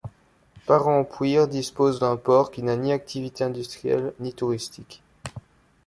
Parempuyre dispose d'un port qui n'a ni activité industrielle, ni touristique.